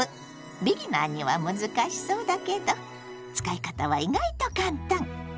ビギナーには難しそうだけど使い方は意外と簡単！